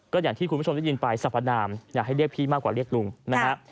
ก็อย่างที่คุณผู้ชมได้ยินไปสรรพนามอยากให้เรียกพี่มากกว่าเรียกลุงนะฮะ